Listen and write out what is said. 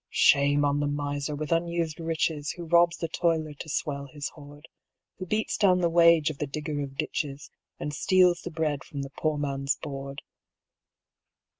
Shame on the miser with unused riches, Who robs the toiler to swell his hoard, Who beats down the wage of the digger of ditches, And steals the bread from the poor man's board.